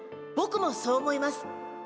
ボクもそう思います。